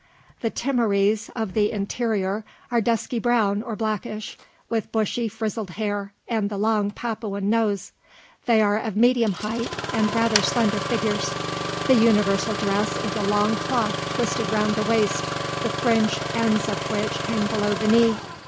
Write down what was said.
The Timorese of the interior are dusky brown or blackish, with bushy frizzled hair, and the long Papuan nose. They are of medium height, and rather slender figures. The universal dress is a long cloth twisted round the waist, the fringed ends of which hang below the knee.